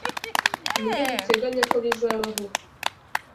Nibyo duteganya ko bizabaho.